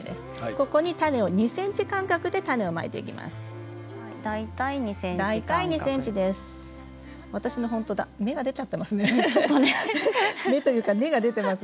ここに２ｃｍ間隔で種をまいていきます。